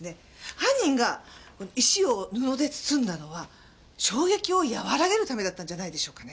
犯人が石を布で包んだのは衝撃を和らげるためだったんじゃないでしょうかね。